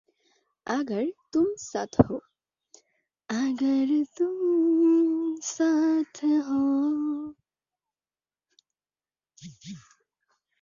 - agar তুম সাথ হো........